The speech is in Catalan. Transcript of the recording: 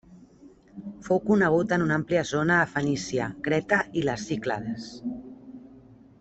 Fou conegut en una àmplia zona a Fenícia, Creta i les Cíclades.